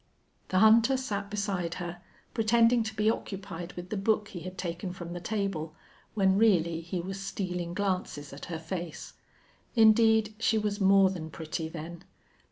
The hunter sat beside her pretending to be occupied with the book he had taken from the table when really he was stealing glances at her face. Indeed, she was more than pretty then.